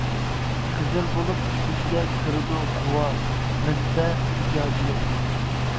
خىزىر بولۇپ چۈشۈمگە، كىرىدۇ غۇۋا. مەنبە: ئىجادىيەت.